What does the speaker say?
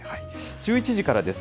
１１時からです。